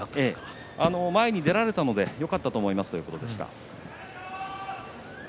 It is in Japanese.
前に出られたので、よかったと思いますということでした。